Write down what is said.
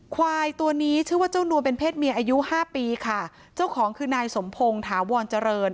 ควายตัวนี้ชื่อว่าเจ้านวลเป็นเพศเมียอายุห้าปีค่ะเจ้าของคือนายสมพงศ์ถาวรเจริญ